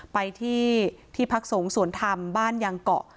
ไปที่ที่พักสงฆ์สวนธรรมบ้านยางเกาะ